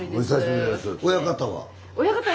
親方は？